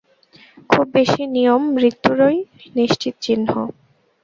খুব বেশী নিয়ম মৃত্যুরই নিশ্চিত চিহ্ন।